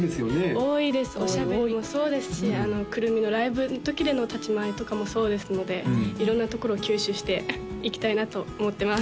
多いですおしゃべりもそうですし９６３のライブのときでの立ち回りとかもそうですので色んなところを吸収していきたいなと思ってます